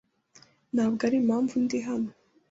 Ntabwo arimpamvu ndi hano.